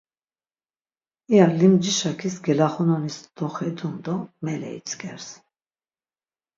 İya limcişakis gelaxunonis doxedun do mele itzǩers.